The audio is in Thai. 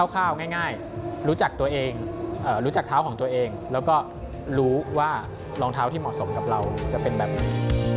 ข้าวง่ายรู้จักตัวเองรู้จักเท้าของตัวเองแล้วก็รู้ว่ารองเท้าที่เหมาะสมกับเราจะเป็นแบบไหน